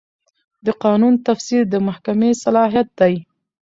د قانون تفسیر د محکمې صلاحیت دی.